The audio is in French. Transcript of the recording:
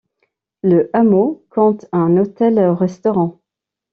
Le hameau compte un hôtel-restaurant.